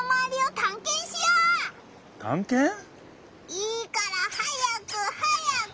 いいから早く早く！